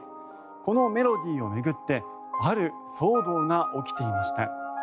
このメロディーを巡ってある騒動が起きていました。